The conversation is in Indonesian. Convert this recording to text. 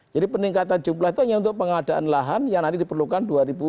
jadi peningkatan jumlah itu hanya untuk pengadaan lahan yang nanti diperlukan dua ribu tujuh belas